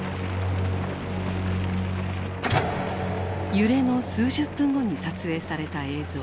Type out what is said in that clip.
揺れの数十分後に撮影された映像。